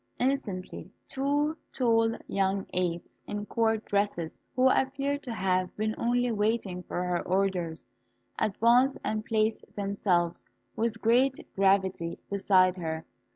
Instantly two tall young apes, in court dresses, who appeared to have been only waiting for her orders, advanced and placed themselves with great gravity beside her.